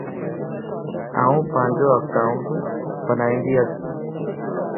آن پانجو اڪائونٽ بنائيندياس